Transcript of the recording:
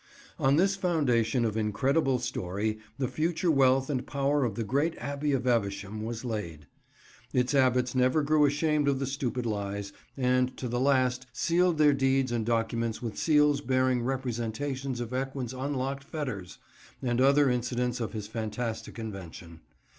On this foundation of incredible story the future wealth and power of the great Abbey of Evesham was laid. Its Abbots never grew ashamed of the stupid lies, and to the last sealed their deeds and documents with seals bearing representations of Ecgwin's unlocked fetters and other incidents of his fantastic invention.